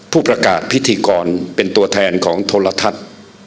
ผู้ประกาศพิธีกรเป็นตัวแทนของโทรทัศน์